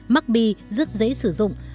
mockb rất dễ sử dụng